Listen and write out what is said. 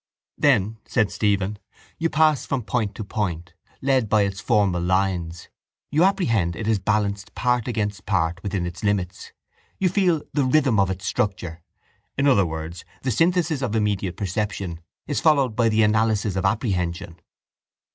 —Then, said Stephen, you pass from point to point, led by its formal lines; you apprehend it as balanced part against part within its limits; you feel the rhythm of its structure. In other words, the synthesis of immediate perception is followed by the analysis of apprehension.